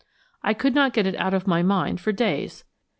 I could not get it out of my mind for days.